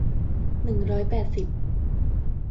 หนึ่งร้อยแปดสิบ